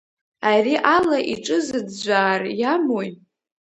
Ари ала иҿызыӡәӡәаар иамои?